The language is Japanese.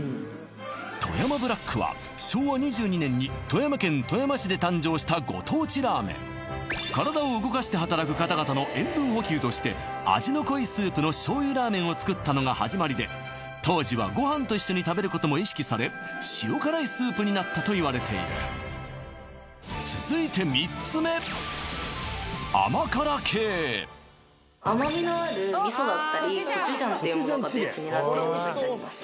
富山ブラックは昭和２２年に富山県富山市で誕生したご当地ラーメン体を動かして働く方々の塩分補給として味の濃いスープの醤油ラーメンを作ったのが始まりで当時はご飯と一緒に食べることも意識され塩辛いスープになったといわれている続いて３つ目甘みのある味噌だったりコチュジャンっていうものがベースになってるものになります